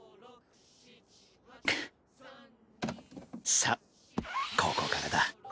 さあここからだ。